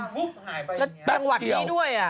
จังหวัดนี้ด้วย